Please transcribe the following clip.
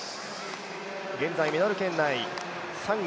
現在メダル圏内、３位。